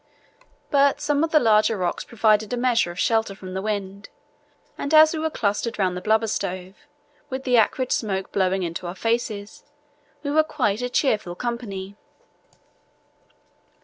But some of the larger rocks provided a measure of shelter from the wind, and as we clustered round the blubber stove, with the acrid smoke blowing into our faces, we were quite a cheerful company.